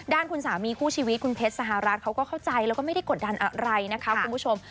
คุณสามีคู่ชีวิตคุณเพชรสหรัฐเขาก็เข้าใจแล้วก็ไม่ได้กดดันอะไรนะคะคุณผู้ชม